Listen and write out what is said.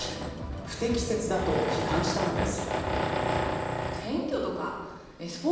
不適切だと批判したのです。